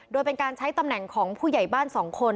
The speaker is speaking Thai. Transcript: โดยเป็นการใช้ตำแหน่งของผู้ใหญ่บ้าน๒คน